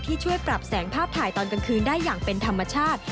ช่วยปรับแสงภาพถ่ายตอนกลางคืนได้อย่างเป็นธรรมชาติ